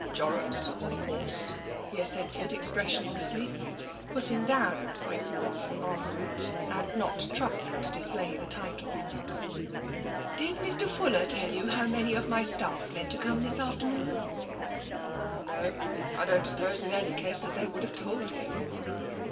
" Jorrocks, of course," he assented expressionlessly, putting down Huysman's " En Route/* and not troubling to display the title. " Did Mr. Fuller tell you how many of my staff meant to come this afternoon ?"" No. I don't suppose, in any case, that they would have told him.